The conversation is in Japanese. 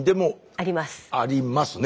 ありますね。